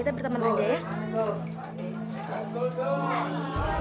udah deh kita berteman aja ya